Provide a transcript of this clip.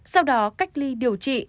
sau đó cách ly điều trị